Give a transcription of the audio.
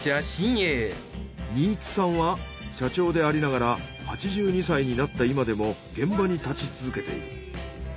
新津さんは社長でありながら８２歳になった今でも現場に立ち続けている。